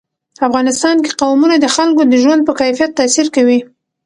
افغانستان کې قومونه د خلکو د ژوند په کیفیت تاثیر کوي.